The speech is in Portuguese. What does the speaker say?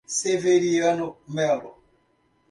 Severiano Melo